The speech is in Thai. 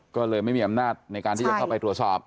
ก็เลยไม่มีอำนาจในการที่จะเข้าไปตรวจสอบ